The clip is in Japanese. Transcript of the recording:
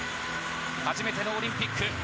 初めてのオリンピック。